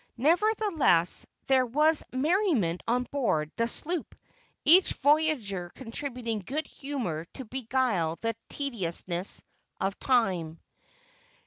Nevertheless there was merriment on board the sloop, each voyager contributing good humor to beguile the tediousness of time.